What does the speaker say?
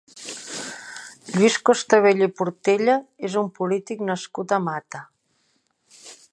Lluís Costabella i Portella és un polític nascut a Mata.